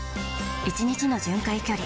１日の巡回距離